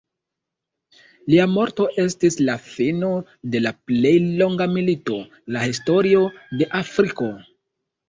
Lia morto estis la fino de la plej longa milito la historio de Afriko.